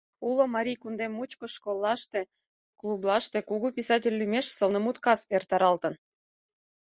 Уло марий кундем мучко школлаште, клублаште кугу писатель лӱмеш сылнымут кас эртаралтын.